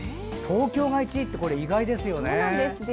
東京が１位って意外ですね。